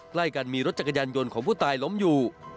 ใกล้กันมีรถจักรยานยนต์ของผู้ตายล้มอยู่